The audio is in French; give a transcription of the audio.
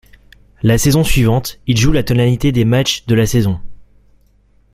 La saison suivante, il joue la totalité des matchs de la saison.